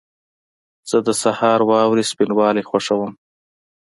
زه د سهار واورې سپینوالی خوښوم.